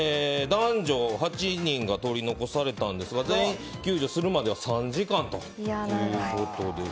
男女８人が取り残されたんですが全員救助するまで３時間ということです。